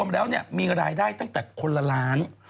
คงแล้วเนี่ยมีรายได้ตั้งแต่คนละล้าน